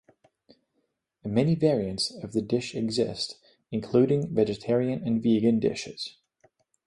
Many variants of the dish exist, including vegetarian and vegan dishes.